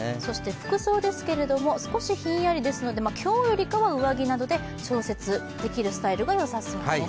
服装ですけれども、少しひんやりですので、今日よりかは上着で調節できるスタイルがよさそうです。